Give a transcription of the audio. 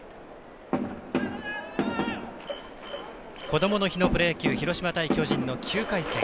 こどもの日のプロ野球広島対巨人の９回戦。